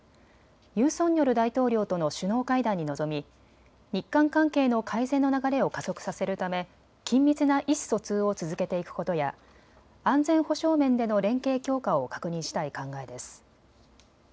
ユン・ソンニョル大統領との首脳会談に臨み日韓関係の改善の流れを加速させるため緊密な意思疎通を続けていくことや安全保障面での連携強化を確認したい考えです。